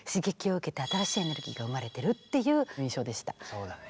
そうだね。